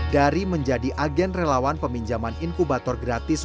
dari menjadi agen relawan peminjaman inkubator gratis